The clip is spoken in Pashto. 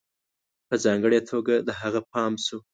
په ځانگړي توگه د هغه پام شو